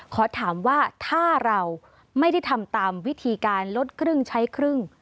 ขอถามว่าถ้าเราไม่ได้ทำตามวิธีการลดครึ่งใช้ครึ่ง